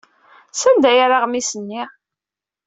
Sanda ay yerra aɣmis-nni?